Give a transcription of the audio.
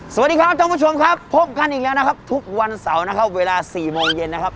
สวัสดีครับท่านผู้ชมครับพบกันอีกแล้วนะครับทุกวันเสาร์นะครับเวลา๔โมงเย็นนะครับ